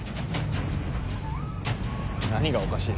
何がおかしい？